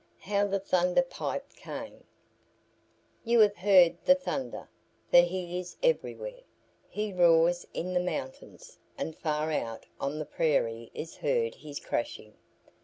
HOW THE THUNDER PIPE CAME You have heard the Thunder, for he is everywhere. He roars in the mountains, and far out on the prairie is heard his crashing.